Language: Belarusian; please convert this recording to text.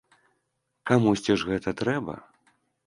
Камусьці ж гэта трэба?